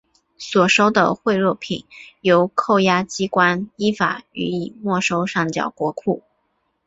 所收的贿赂品由扣押机关依法予以没收上缴国库。